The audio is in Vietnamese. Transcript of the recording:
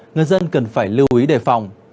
người dân cần phải lưu ý đề phòng